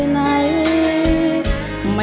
น้ำแต่ง